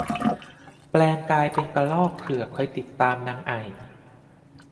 แปลงกายเป็นกระรอกเผือกคอยติดตามนางไอ่